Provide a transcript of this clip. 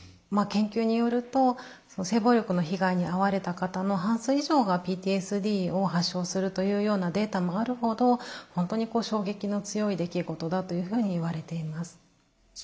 研究によると性暴力の被害にあわれた方の半数以上がＰＴＳＤを発症するというようなデータもあるほど本当に衝撃の強い出来事だというふうにいわれています。